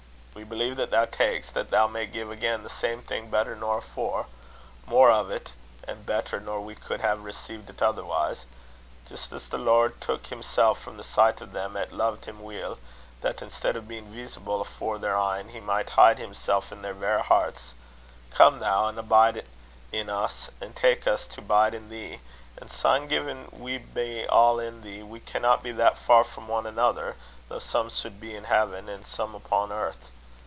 We believe that thou taks, that thou may gie again the same thing better nor afore mair o't and better nor we could ha' received it itherwise; jist as the Lord took himsel' frae the sicht o' them 'at lo'ed him weel, that instead o' bein' veesible afore their een, he micht hide himsel' in their verra herts. Come thou, an' abide in us, an' tak' us to bide in thee; an' syne gin we be a' in thee, we canna be that far frae ane anither, though some sud be in haven, an' some upo' earth.